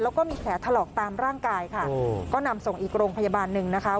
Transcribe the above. แล้วก็มีแผลถลอกตามร่างกายค่ะก็นำส่งอีกโรงพยาบาลหนึ่งนะคะ